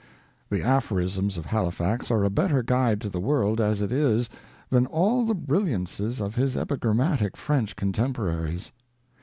The aphorisms of Halifax are a better guide to the world as it is than all the brilliancies of his epigrammatic French contemporaries.